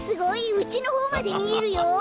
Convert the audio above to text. うちのほうまでみえるよ！